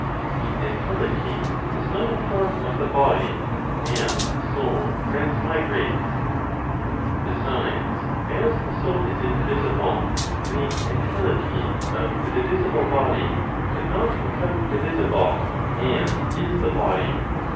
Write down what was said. THE ENTELECHY IS NOT A FORM OF THE BODY, AS THE SOUL TRANSMIGRATES. Besides, as the soul is indivisible, the entelechy of the divisible body could not become divisible as is the body.